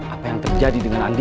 apa yang terjadi dengan andi